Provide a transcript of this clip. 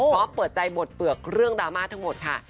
พร้อมเปิดใจบทเปลือกเรื่องดราม่าทั้งหมดค่ะ